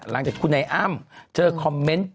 หลังจากคุณไอ้อ้ำเจอคอมเมนต์